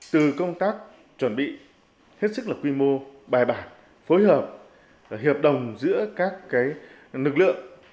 từ công tác chuẩn bị hết sức là quy mô bài bản phối hợp hiệp đồng giữa các lực lượng